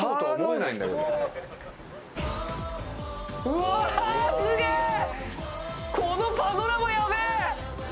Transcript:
うわぇ、すげえ、このパノラマやべぇ。